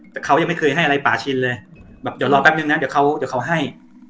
แต่เขายังไม่เคยให้อะไรป่าชินเลยแบบเดี๋ยวรอแป๊บนึงนะเดี๋ยวเขาเดี๋ยวเขาให้